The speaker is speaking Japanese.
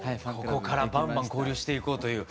ここからバンバン交流していこうという。